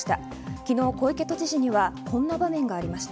昨日、小池都知事にはこんな場面がありました。